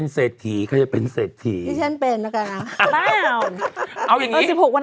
ในเช่นเป็นนะคะ